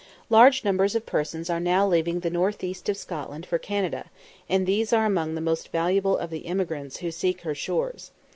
Large numbers of persons are now leaving the north east of Scotland for Canada, and these are among the most valuable of the emigrants who seek her shores.